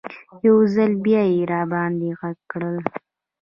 یو ځل بیا یې راباندې غږ کړل.